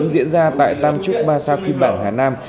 diễn ra tại tam trúc ba sa kim bản hà nam